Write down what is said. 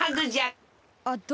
あっどうも。